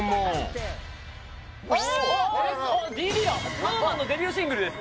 ＳｎｏｗＭａｎのデビューシングルです